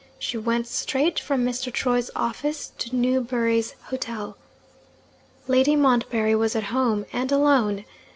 She went straight from Mr. Troy's office to Newbury's Hotel. Lady Montbarry was at home, and alone.